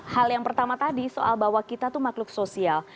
hal yang pertama tadi soal bahwa kita itu makhluk sosial